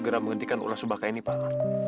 kita harus menghentikan ulas subakah ini pak